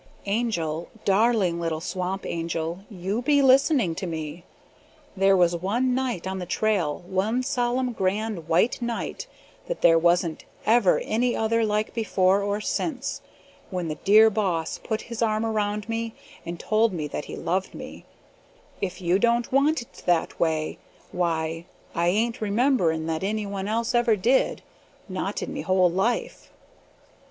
Angel, darling little Swamp Angel, you be listening to me. There was one night on the trail, one solemn, grand, white night, that there wasn't ever any other like before or since, when the dear Boss put his arm around me and told me that he loved me; but if you care, Angel, if you don't want it that way, why, I ain't remembering that anyone else ever did not in me whole life."